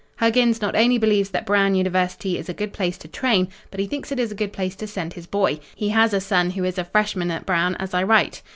Huggins not only believes that Brown University is a good place to train, but he thinks it is a good place to send his boy. He has a son who is a freshman at Brown as I write.